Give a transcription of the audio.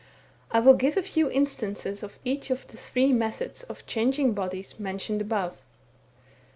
I will give a few instances of each of the three methods of changing bodies mentioned above.